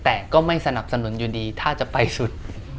แต่ก็ไม่สนับสนุนอยู่ดีถ้าจะไปสุด